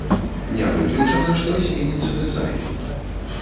Не выключана, што зменіцца дызайн.